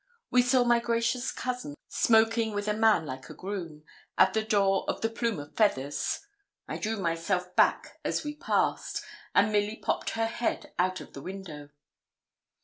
We saw my gracious cousin smoking with a man like a groom, at the door of the 'Plume of Feathers.' I drew myself back as we passed, and Milly popped her head out of the window.